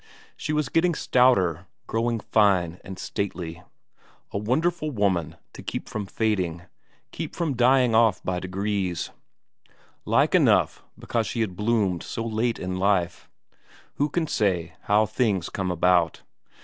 She was getting stouter, growing fine and stately. A wonderful woman to keep from fading, keep from dying off by degrees; like enough because she had bloomed so late in life. Who can say how things come about?